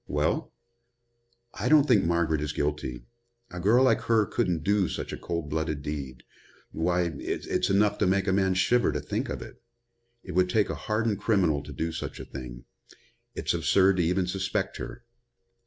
"Well?" "I don't think Margaret is guilty. A girl like her couldn't do such a cold blooded deed. Why, it's enough to make a man shiver to think of it. It would take a hardened criminal to do such a thing. It's absurd to even suspect her."